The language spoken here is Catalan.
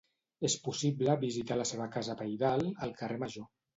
És possible visitar la seva casa pairal al carrer Major.